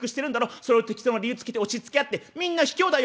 それを適当な理由つけて押しつけ合ってみんなひきょうだよ！